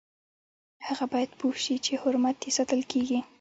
هغه باید پوه شي چې حرمت یې ساتل کیږي.